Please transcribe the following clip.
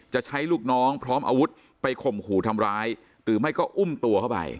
จะใช้ลูกน้องพร้อมอาวุธไปข่มขู่ทำร้ายหรือไม่ก็อุ้มตัวเข้าไป